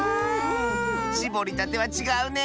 しぼりたてはちがうね。